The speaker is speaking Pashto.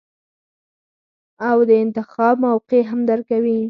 او د انتخاب موقع هم درکوي -